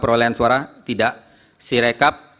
perolehan suara tidak sirekap